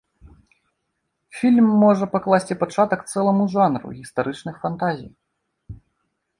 Фільм можа пакласці пачатак цэламу жанру гістарычных фантазій.